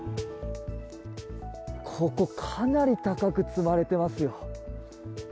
ここ、かなり高く積まれていますよ。